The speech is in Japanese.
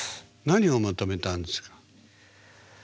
何を求めたんですか？